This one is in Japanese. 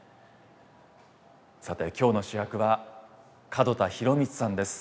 さて今日の主役は門田博光さんです。